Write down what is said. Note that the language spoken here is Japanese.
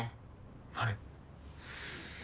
あれ？